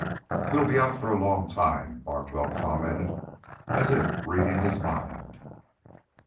"He'll be out for a long time," Larkwell commented, as if reading his mind.